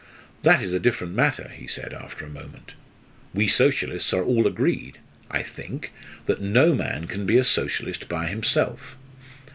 "That is a different matter," he said after a moment. "We Socialists are all agreed, I think, that no man can be a Socialist by himself.